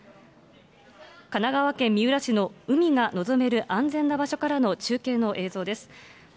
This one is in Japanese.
神奈川県三浦市の海が望める安全な場所からの中継の映像です。